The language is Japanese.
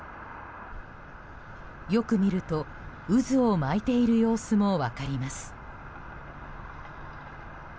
よく見ると、渦を巻いている様子も分かります。